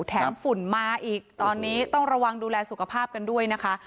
ฝุ่นมาอีกตอนนี้ต้องระวังดูแลสุขภาพกันด้วยนะคะ